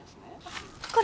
これ！